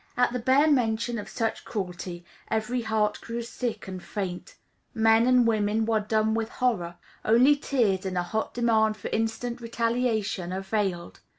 At the bare mention of such cruelty, every heart grew sick and faint; men and women were dumb with horror: only tears and a hot demand for instant retaliation availed.